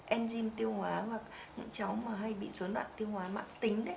enzim tiêu hóa hoặc những cháu mà hay bị số nạn tiêu hóa mạng tính